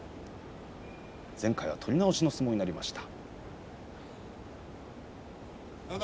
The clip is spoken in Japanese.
前回は取り直しの相撲になりました。